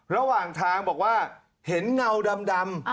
ระหว่างทางบอกว่าเห็นเงาดำ